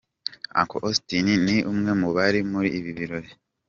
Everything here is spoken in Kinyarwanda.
Uncle Austin ni umwe mu bari muri ibi birori.